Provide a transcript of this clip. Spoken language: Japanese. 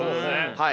はい。